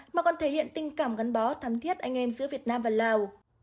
mà còn thể hiện tình cảm gắn bó thắm thiết anh em giữa việt nam và lào